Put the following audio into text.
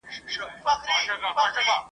زه به دي په خیال کي زنګېدلی در روان یمه ..